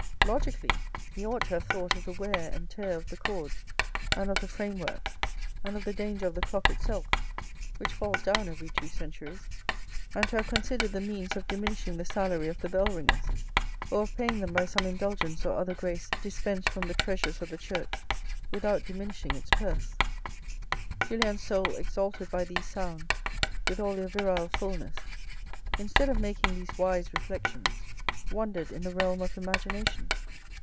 Logically, he ought to have thought of the wear and tear of the cords and of the framework and of the danger of the clock itself, which falls down every two centuries, and to have considered the means of diminishing the salary of the bell ringers, or of paying them by some indulgence or other grace dispensed from the treasures of the Church without diminishing its purse. Julien's soul exalted by these sounds with all their virile fulness, instead of making these wise reflections, wandered in the realm of imagination.